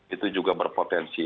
itu juga berpotensi